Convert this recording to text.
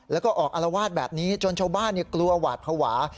แล้วก็ออกอารวาสแบบนี้จนชาวบ้านกลัวหวาดภาวะ